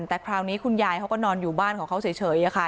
แต่คราวนี้คุณยายเขาก็นอนอยู่บ้านของเขาเฉยค่ะ